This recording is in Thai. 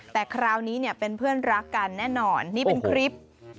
แต่คราวนี้เนี่ยเป็นเพื่อนรักกันแน่นอนนี่เป็นคลิป